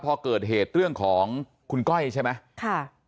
พอเกิดเหตุเรื่องของคุณก้อยใช่ไหมค่ะ